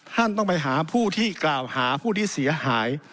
ท่านต้องไปหาผู้ที่กล่าวหาผู้ที่เสียหาย